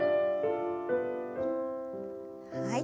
はい。